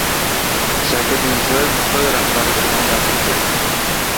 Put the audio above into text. Shavkat Mirziyoyev Xitoy rahbariga hamdardlik bildirdi